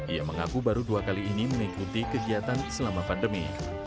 ia mengaku baru dua kali ini mengikuti kegiatan selama pandemi